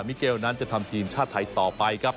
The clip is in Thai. เกลนั้นจะทำทีมชาติไทยต่อไปครับ